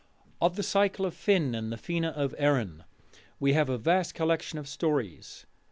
Of the Cycle of Finn and the Fena of Erin we have a vast collection of stories.